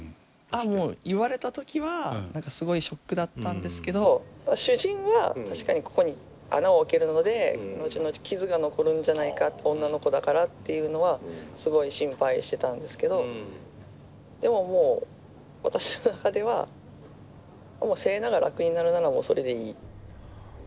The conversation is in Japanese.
ああもう言われた時は何かすごいショックだったんですけど主人は確かにここに穴を開けるので後々傷が残るんじゃないか女の子だからっていうのはすごい心配してたんですけどでももう私の中ではセイナが楽になるならそれでいい。